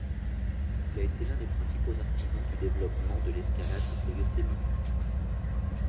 Il a été l'un des principaux artisans du développement de l'escalade au Yosemite.